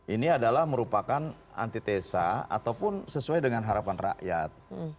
ini adalah merupakan antitesa ataupun sesuai dengan harapan rakyat